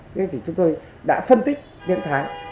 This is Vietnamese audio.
thế thì chúng tôi đã phân tích tiếng thái